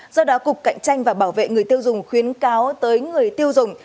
do đó cục cạnh tranh và bảo vệ người tiêu dùng khuyến cáo tới người tiêu dùng